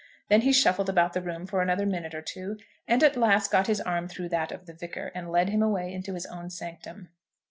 Then he shuffled about the room for another minute or two, and at last got his arm through that of the Vicar, and led him away into his own sanctum.